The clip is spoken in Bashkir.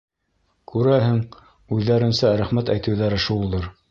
Күрәһең, үҙҙәренсә рәхмәт әйтеүҙәре шулдыр.